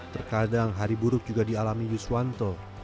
terkadang hari buruk juga dialami yuswanto